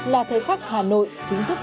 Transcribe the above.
là thời khắc hà nội chính thức